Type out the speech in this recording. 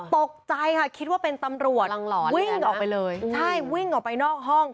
ตกใจค่ะคิดว่าเป็นตำรวจวิ่งออกไปเลยใช่วิ่งออกไปนอกห้อง